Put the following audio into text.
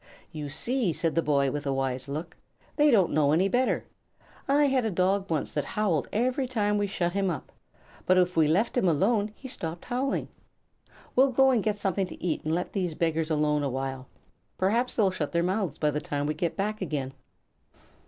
"You see," said the boy, with a wise look, "they don't know any better. I had a dog once that howled every time we shut him up. But if we let him alone he stopped howling. We'll go and get something to eat and let these beggars alone a while. Perhaps they'll shut their mouths by the time we get back again."